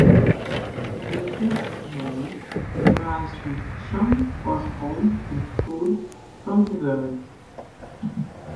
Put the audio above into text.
The village's name derives from 'sham,' or home, and 'foul,' from the bird.